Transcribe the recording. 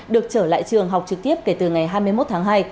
được trở lại trường học trực tiếp kể từ ngày hai mươi một tháng hai